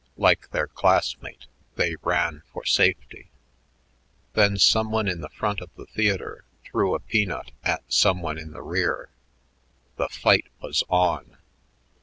Like their classmate, they ran for safety. Then some one in the front of the theatre threw a peanut at some one in the rear. The fight was on!